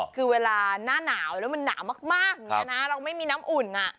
คือเวลาหน้าหนาวแล้วมันหนาวมากอย่างนี้นะเราไม่มีน้ำอุ่น